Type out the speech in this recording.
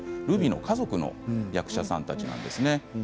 ルビーの家族役者さんたちなんですね。